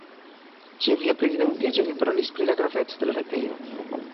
Ĉe via prezidantiĝo, vi parolis pri la graveco de la retejo.